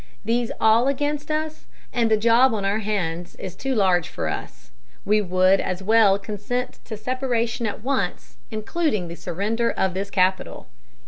These all against us, and the job on our hands is too large for us. We would as well consent to separation at once, including the surrender of this capital."